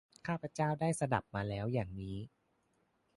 ข้าพเจ้าได้สดับมาแล้วอย่างนี้